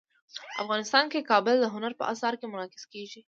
افغانستان کې کابل د هنر په اثار کې منعکس کېږي.